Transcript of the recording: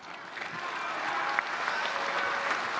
jangan lupa untuk berlangganan